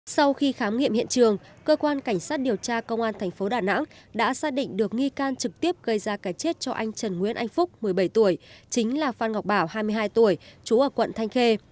sau khi khám nghiệm hiện trường cơ quan cảnh sát điều tra công an thành phố đà nẵng đã xác định được nghi can trực tiếp gây ra cái chết cho anh trần nguyễn anh phúc một mươi bảy tuổi chính là phan ngọc bảo hai mươi hai tuổi trú ở quận thanh khê